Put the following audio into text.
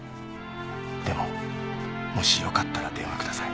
でももしよかったら電話ください